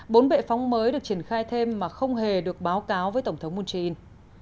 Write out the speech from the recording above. bốn bệ phóng mới được triển khai thêm mà không hề được báo cáo với tổng thống moon jae in